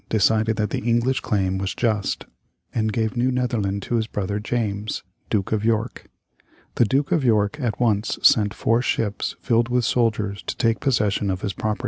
decided that the English claim was just, and gave New Netherland to his brother James, Duke of York. The Duke of York at once sent four ships filled with soldiers to take possession of his property.